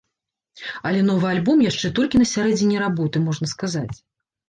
Але новы альбом яшчэ толькі на сярэдзіне работы, можна сказаць.